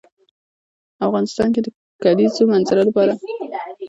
افغانستان کې د د کلیزو منظره لپاره دپرمختیا پروګرامونه شته.